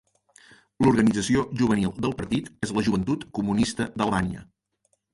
L'organització juvenil del partit és la Joventut Comunista d'Albània.